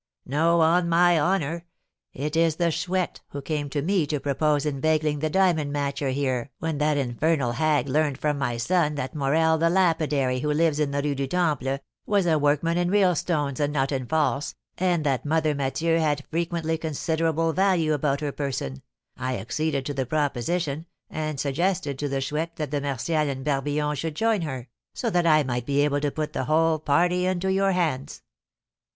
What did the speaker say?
"No, on my honour! It is the Chouette, who came to me to propose inveigling the diamond matcher here when that infernal hag learned from my son that Morel, the lapidary, who lives in the Rue du Temple, was a workman in real stones, and not in false, and that Mother Mathieu had frequently considerable value about her person, I acceded to the proposition, and suggested to the Chouette that the Martials and Barbillon should join her, so that I might be able to put the whole party into your hands."